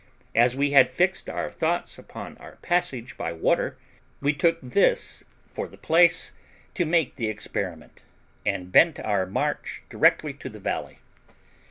As we had fixed our thoughts upon our passage by water, we took this for the place to make the experiment, and bent our march directly to the valley.